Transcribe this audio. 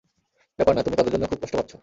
ব্যাপার না, তুমি তাদের জন্য খুব কষ্ট পাচ্ছ।